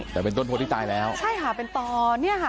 แต่เป็นต้นโพที่ตายแล้วใช่ค่ะเป็นต่อเนี่ยค่ะ